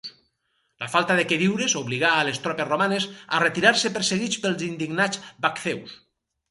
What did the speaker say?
La falta de queviures obligà a les tropes romanes a retirar-se perseguits pels indignats vacceus.